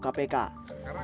karena kami punya data